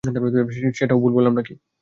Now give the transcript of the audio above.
সেটাও ভুল বললাম নাকি?